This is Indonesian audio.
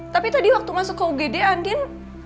tapi tadi waktu masuk ke ugd andin